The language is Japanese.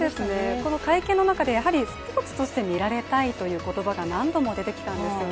この会見の中でスポーツとして見られたいという言葉が何度も出てきたんですよね。